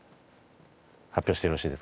発表してよろしいですか？